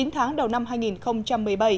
chín tháng đầu năm hai nghìn một mươi bảy